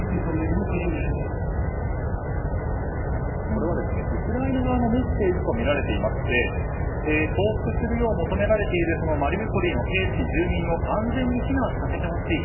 これはウクライナ側のメッセージとみられていまして降伏するよう求められているマリウポリの兵士、住民を安全に避難させてほしい。